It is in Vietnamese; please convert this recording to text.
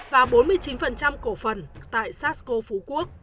và bốn mươi chín cổ phần tại sasco phú quốc